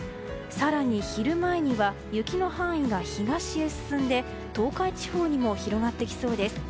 更に昼前には雪の範囲が東へ進んで東海地方にも広がってきそうです。